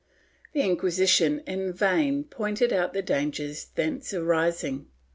The Inquisition in vain pointed out the dangers thence arising.